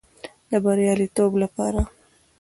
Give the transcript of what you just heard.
د بریالیتوب لپاره